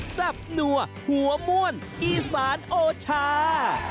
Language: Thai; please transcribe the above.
บนัวหัวม่วนอีสานโอชา